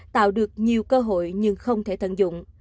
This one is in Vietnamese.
tạo được nhiều cơ hội nhưng không thể tận dụng